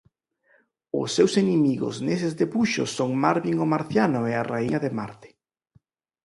Os seus inimigos neses debuxos son Marvin o Marciano e a Raíña de Marte.